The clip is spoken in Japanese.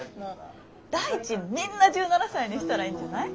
大臣みんな１７才にしたらいいんじゃない？